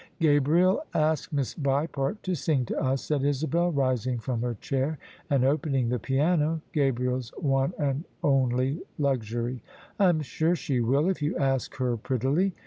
''Gabriel, ask Miss Vipart to sing to us," said Isabel, rising from her chair and opening the piano— Gabriel's one and only luxury: " I'm sure she ¥nll, if you ask her prettily.'